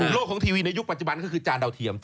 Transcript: ของทีวีในยุคปัจจุบันก็คือจานดาวเทียม